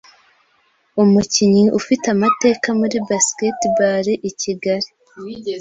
umukinnyi ufite amateka muri Basketball i Kigali